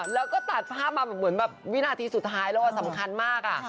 แล้วก็ตัดภาพมาเหมือนแบบวินาทีสุดท้ายแล้วสำคัญมาก